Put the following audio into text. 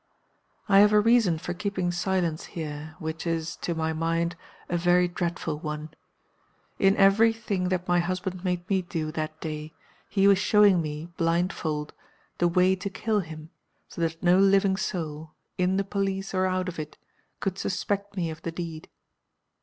"I have a reason for keeping silence here, which is, to my mind, a very dreadful one. In every thing that my husband made me do that day he was showing me (blindfold) the way to kill him, so that no living soul, in the police or out of it, could suspect me of the deed.